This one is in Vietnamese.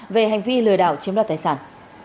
về hành vi lừa đảo chiếm đoạt tài sản